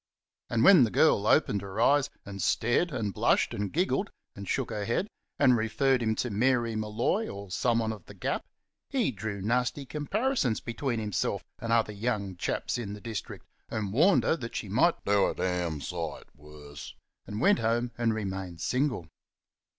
And when the girl opened her eyes and stared and blushed and giggled, and shook her head, and referred him to Mary Molloy or someone of The Gap, he drew nasty comparisons between himself and other young chaps in the district, and warned her that she might "do a d n sight worse," and went home and remained single.